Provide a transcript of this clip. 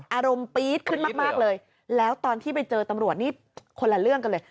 อารมณ์ปี๊ดขึ้นมากเลยแล้วตอนที่ไปเจอตำรวจนี่คนละเรื่องกันเลย